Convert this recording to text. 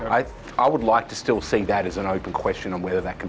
ada cara lain yang saya rasa ipf bisa memberikan kesempatan keberadaan jenis